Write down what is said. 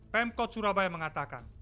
pemkot surabaya mengatakan